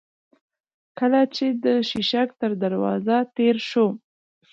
کله چې د شېشک تر دروازه تېر شوو.